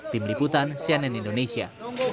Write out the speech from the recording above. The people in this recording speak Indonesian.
tim liputan cnn indonesia